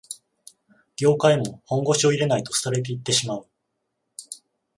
業界も本腰入れないと廃れていってしまう